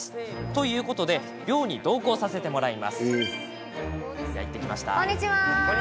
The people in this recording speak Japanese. ということで漁に同行させてもらいます。